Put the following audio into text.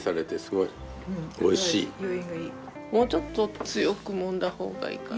もうちょっと強くもんだ方がいいかな。